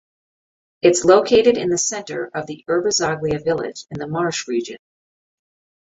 It’s located in the center of the Urbisaglia village, in the Marche region.